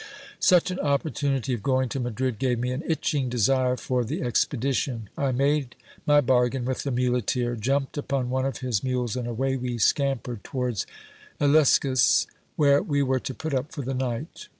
Such an opportunity of going to Madrid gave me an itching desire for the expedition: I made my bargain with the muleteer, jumped upon one of his mules, and away we scampered towards Illescas, where we were to put up for the night.